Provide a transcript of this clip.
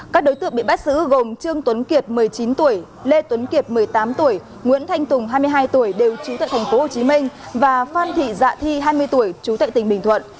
các đối tượng bị bắt giữ gồm trương tuấn kiệt một mươi chín tuổi lê tuấn kiệt một mươi tám tuổi nguyễn thanh tùng hai mươi hai tuổi đều trú tại tp hcm và phan thị dạ thi hai mươi tuổi chú tệ tỉnh bình thuận